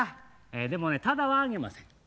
でもねただはあげません。